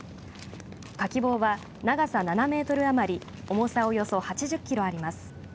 かき棒は長さ７メートル余り重さおよそ８０キロあります。